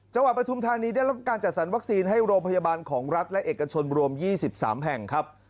ปฐุมธานีได้รับการจัดสรรวัคซีนให้โรงพยาบาลของรัฐและเอกชนรวม๒๓แห่งครับ